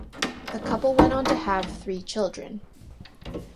The couple went on to have three children.